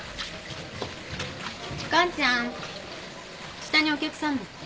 下にお客さんだって。